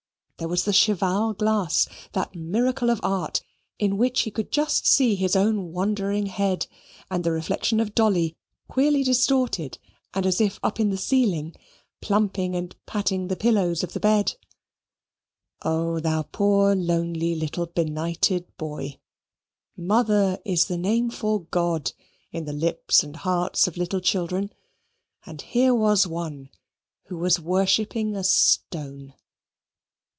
There was the cheval glass, that miracle of art, in which he could just see his own wondering head and the reflection of Dolly (queerly distorted, and as if up in the ceiling), plumping and patting the pillows of the bed. Oh, thou poor lonely little benighted boy! Mother is the name for God in the lips and hearts of little children; and here was one who was worshipping a stone!